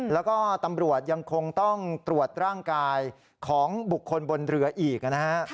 แล้วก็ตำรวจยังคงต้องตรวจร่างกายของบุคคลบนเรืออีกนะฮะ